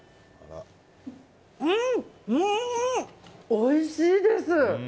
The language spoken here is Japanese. おいしいです。